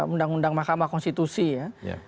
undang undang mahkamah konstitusi ya